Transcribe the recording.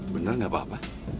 bener gak apa apa